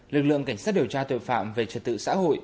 lực lượng cảnh sát điều tra tội phạm về trật tự xã hội